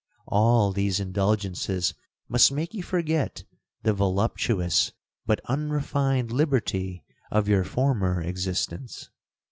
All these indulgences must make you forget the voluptuous but unrefined liberty of your former existence.'